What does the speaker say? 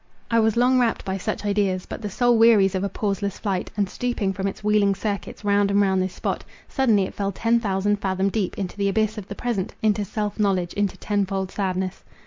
I was long wrapt by such ideas; but the soul wearies of a pauseless flight; and, stooping from its wheeling circuits round and round this spot, suddenly it fell ten thousand fathom deep, into the abyss of the present— into self knowledge—into tenfold sadness.